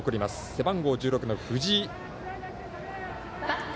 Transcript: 背番号１６の藤井。